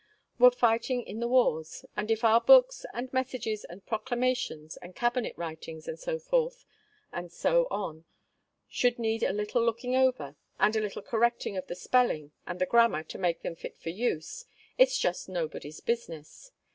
were fighting in the wars; and if our books, and messages, and proclamations, and cabinet writings, and so forth, and so on, should need a little looking over, and a little correcting of the spelling and the grammar to make them fit for use, its just nobody's business.